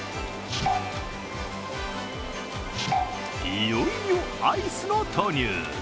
いよいよアイスの投入。